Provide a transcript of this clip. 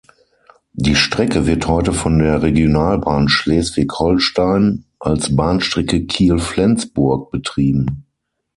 Die Strecke wird heute von der Regionalbahn Schleswig-Holstein als Bahnstrecke Kiel–Flensburg betrieben.